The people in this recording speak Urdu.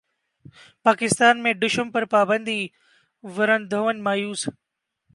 پاکستان میں ڈھشوم پر پابندی ورن دھون مایوس